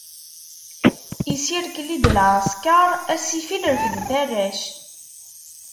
Isirkli-d lɛesker, a ssifil refdet arrac.